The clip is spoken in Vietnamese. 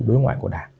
đối ngoại của đảng